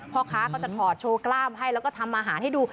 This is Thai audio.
พ่อค้าก็จะถอดโชว์กล้ามให้แล้วก็ทำอาหารให้ดู